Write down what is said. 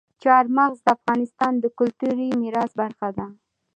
چار مغز د افغانستان د کلتوري میراث برخه ده.